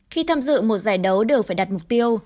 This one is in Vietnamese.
khi tham dự một giải đấu đều phải đặt mục tiêu